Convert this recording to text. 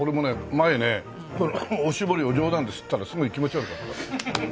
前ねおしぼりを冗談で吸ったらすごい気持ち悪かった。